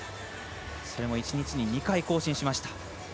それも１日に２回更新しました。